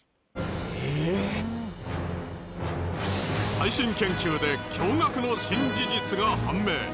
最新研究で驚愕の新事実が判明。